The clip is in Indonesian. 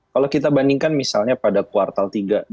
kalau kita bandingkan misalnya pada kuartal tiga dua ribu dua puluh satu